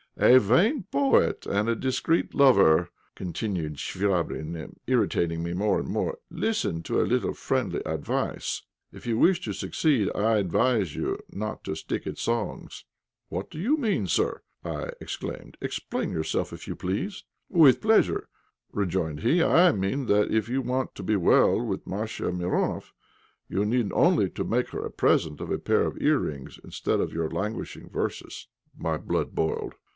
a vain poet and a discreet lover," continued Chvabrine, irritating me more and more. "Listen to a little friendly advice: if you wish to succeed, I advise you not to stick at songs." "What do you mean, sir?" I exclaimed; "explain yourself if you please." "With pleasure," rejoined he. "I mean that if you want to be well with Masha Mironoff, you need only make her a present of a pair of earrings instead of your languishing verses." My blood boiled.